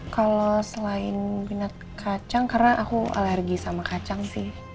kalau selain minat kacang karena aku alergi sama kacang sih